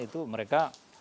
itu mereka punya sesuatu lah